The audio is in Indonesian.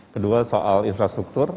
kedua soal infrastruktur